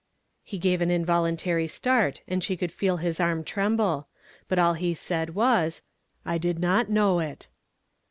He gave an involuntary start, and she could feel his arm tremble ; but all he said M^as, "I did not know it."